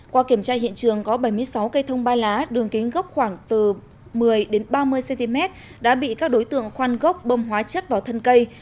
qua kiểm tra hiện trường có bảy mươi sáu cây thông ba lá đường kính gốc khoảng từ một mươi ba mươi cm đã bị các đối tượng khoan gốc bông hóa chất vào thân cây